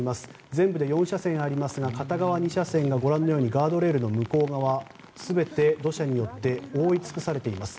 全部で４車線ありますが片側２車線がご覧のようにガードレールの向こう側全て土砂によって覆い尽くされています。